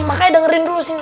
makanya dengerin dulu sini